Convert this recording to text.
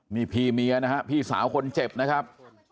นี่พี่เมียนะฮะพี่สาวคนเจ็บนะครับ